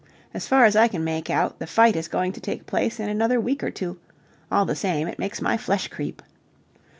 As far as I can make out, the fight is going to take place in another week or two. All the same, it makes my flesh creep.